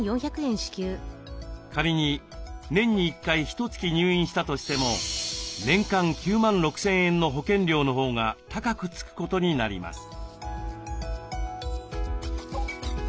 仮に年に１回ひとつき入院したとしても年間９万６，０００円の保険料のほうが高くつくことになります。